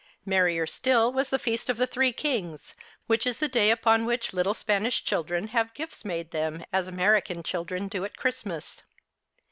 Merrier still was the feast of the Three Kings, which is the day upon which little Spanish children have gifts made them as American children do at Christmas.